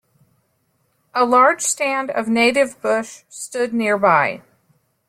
A large stand of native bush stood nearby.